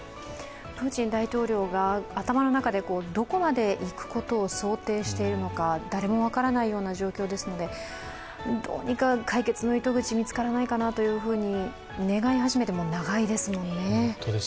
プーチン大統領が頭の中で、どこまでいくことを想定しているのか、誰も分からないような状況ですので、どうにか解決の糸口が見つからないかなと願い始めて、もう長いですもんね。